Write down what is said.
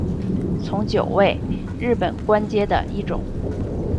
从九位为日本官阶的一种。